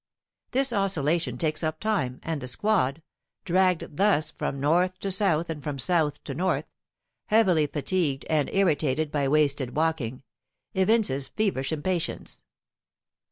This oscillation takes up time, and the squad, dragged thus from north to south and from south to north, heavily fatigued and irritated by wasted walking, evinces feverish impatience.